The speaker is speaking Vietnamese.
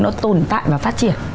nó tồn tại và phát triển